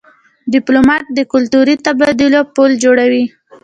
ډيپلومات د کلتوري تبادلو پل جوړوي.